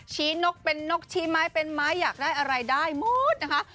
นกเป็นนกชี้ไม้เป็นไม้อยากได้อะไรได้หมดนะคะ